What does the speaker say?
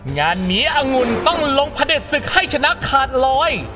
งานมีอังุณต้องลงพระเดชศึกให้ชนะขาดรอย